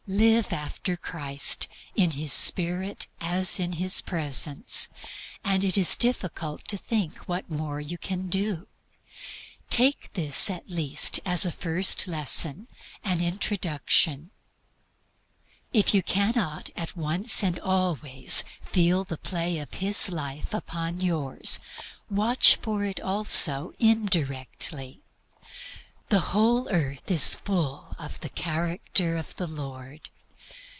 Live after Christ, in His Spirit, as in His Presence, and it is difficult to think what more you can do. Take this at least as a first lesson, as introduction. If you cannot at once and always feel the play of His life upon yours, watch for it also indirectly. "The whole earth is full of the character of the Lord."